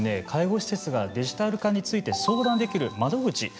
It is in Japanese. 介護施設がデジタル化について相談できる窓口